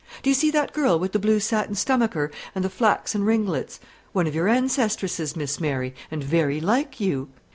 Do you see that girl with the blue satin stomacher and the flaxen ringlets? one of your ancestresses, Miss Mary, and very like you.